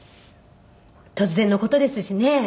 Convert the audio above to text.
突然の事ですしね。